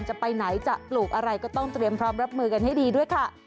จะไปไหนจะปลูกอะไรก็ต้องเตรียมพร้อมรับมือกันให้ดีด้วยค่ะ